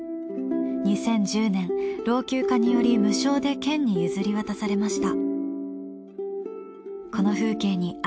２０１０年老朽化により無償で県に譲り渡されました。